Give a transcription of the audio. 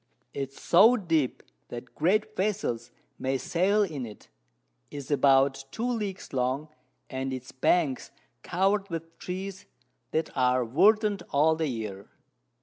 It is so deep, that great Vessels may sail in it, is about 2 Leagues long, and its Banks cover'd with Trees that are verdant all the Year.